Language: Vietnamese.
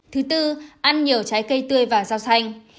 thứ tư ăn nhiều trái cây tươi và rau xanh